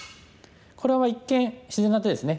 これは一見自然な手ですね。